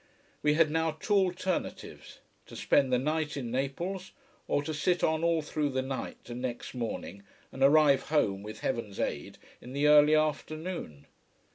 We had now two alternatives: to spend the night in Naples, or to sit on all through the night and next morning, and arrive home, with heaven's aid, in the early afternoon.